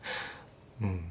うん。